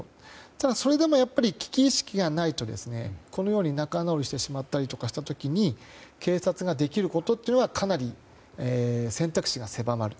ただ、それでも危機意識がないと仲直りしてしまったりした時に警察ができることはかなり選択肢が狭まる。